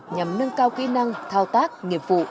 nhằm nâng cao kỹ năng thao tác nghiệp vụ